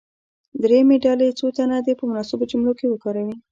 دریمې ډلې څو تنه دې په مناسبو جملو کې وکاروي.